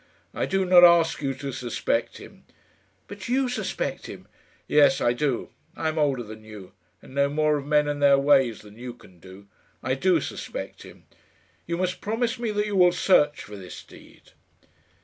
"I do not ask you to suspect him." "But you suspect him?" "Yes; I do. I am older than you, and know more of men and their ways than you can do. I do suspect him. You must promise me that you will search for this deed."